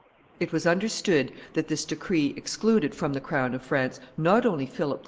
It was understood that this decree excluded from the crown of France not only Philip II.